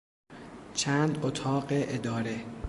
چند اتاق اداره